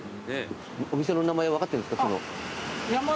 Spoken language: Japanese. お店の名前分かってるんですか？